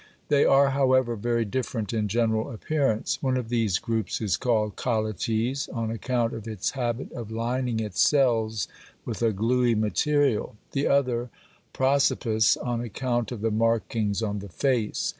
They are, however, very different in general appearance. One of these groups is called Colletes, on account of its habit of lining its cells with a gluey material, the other, Prosopis, on account of the markings on the face.